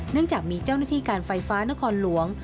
จากมีเจ้าหน้าที่การไฟฟ้านครหลวง